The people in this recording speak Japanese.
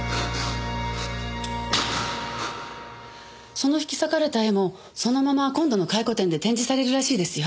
その引き裂かれた絵もそのまま今度の回顧展で展示されるらしいですよ。